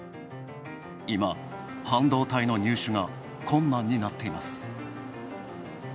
今、半導体の入手が困難になっています。